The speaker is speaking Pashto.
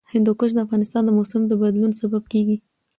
هندوکش د افغانستان د موسم د بدلون سبب کېږي.